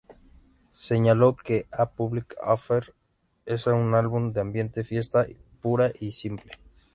Señaló que "A Public Affair" es un álbum de ambiente fiesta, pura y simple.